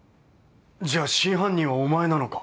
じゃあ真犯人はお前なのか？